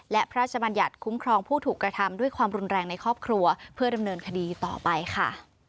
และพระราชบัญญัติคุ้มครองผู้ถูกกระทำด้วยความรุนแรงในครอบครัวเพื่อดำเนินคดีต่อไปค่ะ